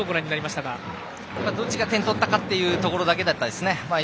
どっちが点を取ったかというところでしたね。